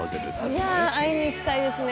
いやあ会いに行きたいですね。